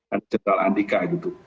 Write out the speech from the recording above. ada jendral andika gitu